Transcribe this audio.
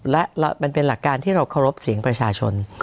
และมันเป็นหลักการที่เราเคารพเสียงประชาชน